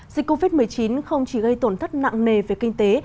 dịch covid một mươi chín không chỉ gây tổn thất nặng nề về kinh tế